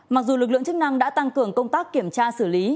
mặc dù lực lượng chức năng đã tăng cường công tác kiểm tra xử lý